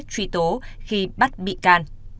truy tố khi bắt bị can